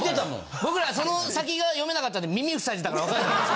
僕らその先が読めなかったんで耳ふさいでたから分からないです。